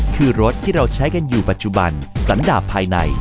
คือรถที่เราใช้กันอยู่ปัจจุบันสันดาบภายใน